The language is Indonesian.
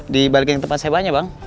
di balikin tempat sewa aja bang